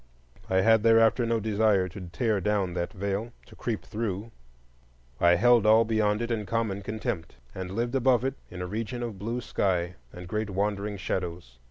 I had thereafter no desire to tear down that veil, to creep through; I held all beyond it in common contempt, and lived above it in a region of blue sky and great wandering shadows.